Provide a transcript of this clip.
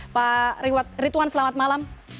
pak ridwan selamat malam